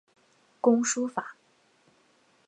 工书法。